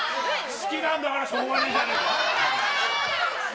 好きなんだからしょうがないじゃないか。